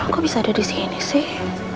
kok bisa ada di sini sih